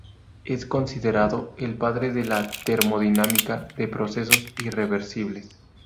Es considerado el padre de la termodinámica de procesos irreversibles.